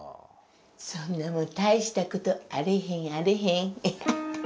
そんなもん大した事あれへんあれへん。